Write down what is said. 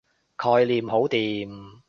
概念好掂